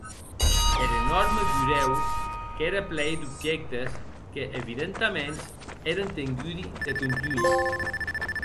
Er enòrme burèu qu’ère plei d’objèctes que, evidentaments, èren tengudi de contunh.